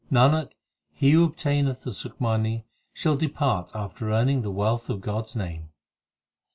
Nanak, he who obtaineth the Sukhmani, Shall depart after earning the wealth of God s name.